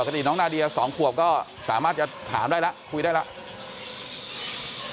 คดีน้องนาเดีย๒ขวบก็สามารถจะถามได้แล้วคุยได้แล้ว